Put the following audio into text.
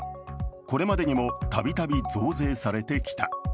これまでにもたびたび増税されてきた。